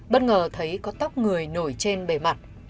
bất ngờ thấy có tóc người nổi trên bề mặt